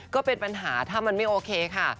ก็เป็นปัญหาถ้ามันไม่โอเคค่ะ